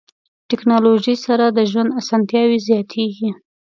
ټکنالوژي سره د ژوند اسانتیاوې زیاتیږي.